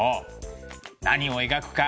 何を描くか